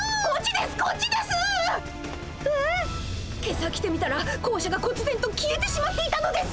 今朝来てみたら校しゃがこつぜんと消えてしまっていたのです。